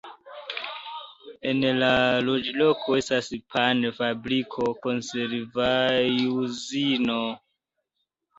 En la loĝloko estas pan-fabriko, konservaĵ-uzino.